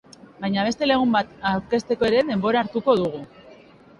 Baina beste lagun bat aurkezteko ere denbora hartuko dugu.